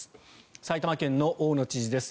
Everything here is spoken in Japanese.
埼玉県の大野知事です。